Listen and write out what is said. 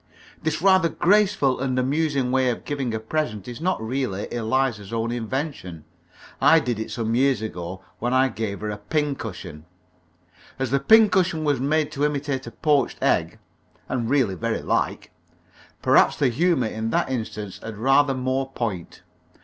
This rather graceful and amusing way of giving a present is not really Eliza's own invention. I did it some years ago when I gave her a pincushion. As the pincushion was made to imitate a poached egg (and really very like), perhaps the humour in that instance had rather more point.